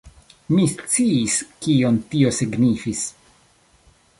Mi sciis, kion tio signifis.